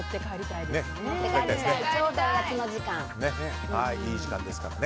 いい時間ですからね。